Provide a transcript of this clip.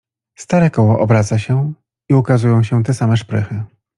"Stare koło obraca się i ukazują się te same szprychy."